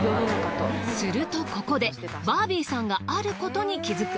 するとここでバービーさんがあることに気づく。